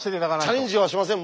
チャレンジはしません